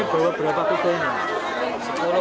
ini berapa pukul